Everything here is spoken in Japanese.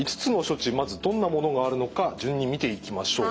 まずどんなものがあるのか順に見ていきましょう。